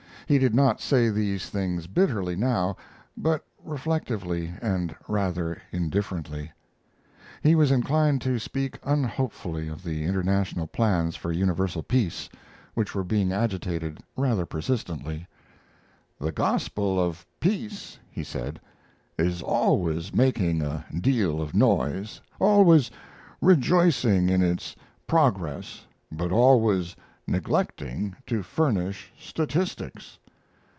He did not say these things bitterly now, but reflectively and rather indifferently. He was inclined to speak unhopefully of the international plans for universal peace, which were being agitated rather persistently. "The gospel of peace," he said, "is always making a deal of noise, always rejoicing in its progress but always neglecting to furnish statistics.